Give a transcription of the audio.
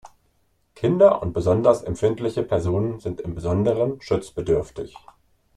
Kinder und besonders empfindliche Personen sind im Besonderen schutzbedürftig.